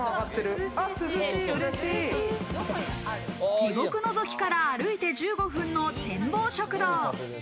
地獄のぞきから歩いて１５分の展望食堂。